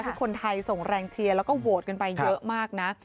คือคนไทยส่งแรงเชียร์แล้วก็โหวตกันไปเยอะมากนะ